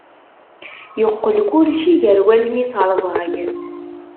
Yeqqel kulci gar wallen-is rẓag.